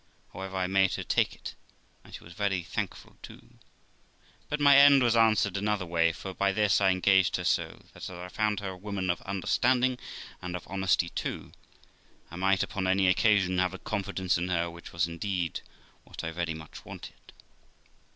However, I made her take it, and she was very thankful too. But my end was answered another way, for by this I engaged her so, that, as I found her a woman of under standing, and of honesty too, I might, upon any occasion, have a confidence in her, which was, indeed, what I very much wanted.